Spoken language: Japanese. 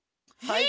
はい。